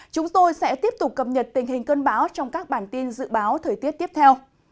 chúng tôi sẽ tiếp tục cập nhật tình hình cơn bão trong các bản tin dự báo thời tiết tiếp theo